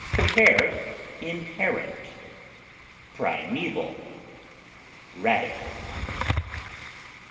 Compare INHERENT; PRIMEVAL; RADICAL.